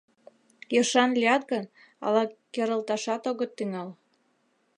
Ешан лият гын, ала керылташат огыт тӱҥал.